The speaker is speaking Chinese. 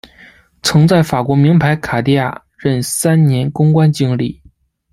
曾在法国名牌卡地亚任三年公关经理。